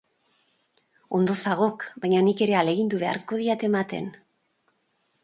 Ondo zagok, baina nik ere ahalegindu beharko diat ematen!